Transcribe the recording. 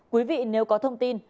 quý vị nếu có thông tin